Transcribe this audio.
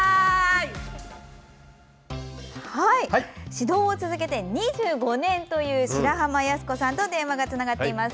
指導を続けて２５年という白浜泰子さんと電話がつながっています。